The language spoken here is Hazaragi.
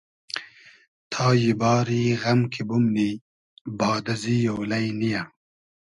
تای باری غئم کی بومنی باد ازی اۉلݷ نییۂ